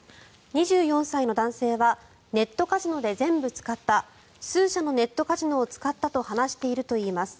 ２４歳の男性はネットカジノで全部使った数社のネットカジノを使ったと話しているといいます。